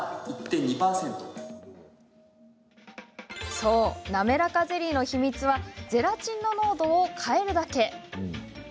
そう、なめらかゼリーの秘密はゼラチンの濃度を変えるだけ。